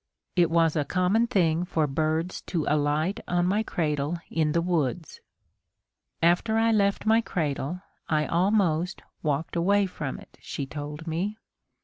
It was a common thing for birds to alight on my cradle in the woods. After I left my cradle, I almost walked away from it, she told me.